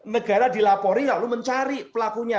negara dilaporin lalu mencari pelakunya